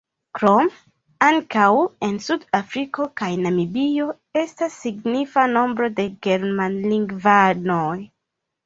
Krome ankaŭ en Sud-Afriko kaj Namibio estas signifa nombro de germanlingvanoj.